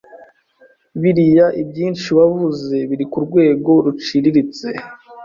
biriya ibyinshi wavuze biri ku rwego ruciriritse